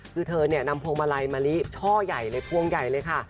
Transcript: คือเธอเนี่ยนำพวงมาลัยมะลิช่อใหญ่เลยพวงใหญ่เลยค่ะ